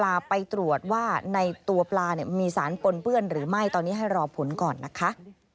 ไปตรวจว่าในตัวปลาเนี่ยมีสารปนเปื้อนหรือไม่ตอนนี้ให้รอผลก่อนนะคะ